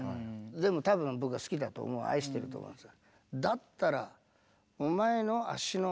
でも多分僕は好きだと思う愛してると思うんですよ。